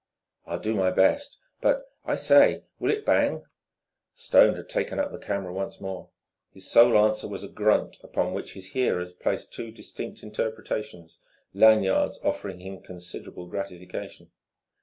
"I'll do my best, but I say will it bang?" Stone had taken up the camera once more. His sole answer was a grunt upon which his hearers placed two distinct interpretations Lanyard's affording him considerable gratification.